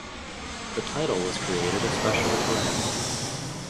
The title was created especially for him.